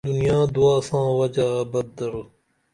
دُنیا دعا ساں وجا ابت درو